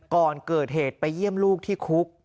ก่อนเกิดเหตุไปเยี่ยมลูกที่คุก